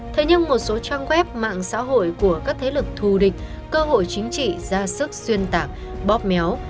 thế nhưng một số trang web mạng xã hội của các thế lực thù địch cơ hội chính trị ra sức xuyên tạc bóp méo